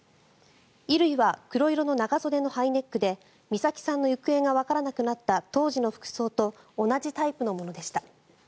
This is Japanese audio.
衣類は黒色の長袖のハイネックで美咲さんの行方がわからなくなった当時の服装と同じタイプのものでした。